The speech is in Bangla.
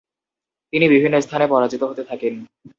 তিনি বিভিন্ন স্থানে পরাজিত হতে থাকেন।